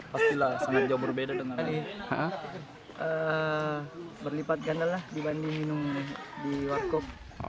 pastilah sangat jauh berbeda dengan di wargok